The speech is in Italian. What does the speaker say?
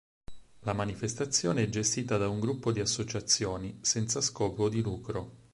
La manifestazione è gestita da un gruppo di associazioni, senza scopo di lucro.